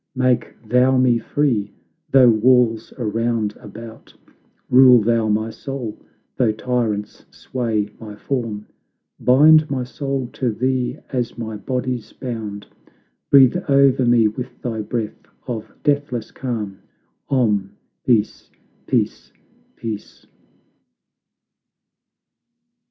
Make thou me free, though walls are round about; Rule thou my soul, though tyrants sway my form; Bind my soul to thee as my body's bound; Breathe o'er me with thy breath of deathless calm, Om, peace, peace, peace."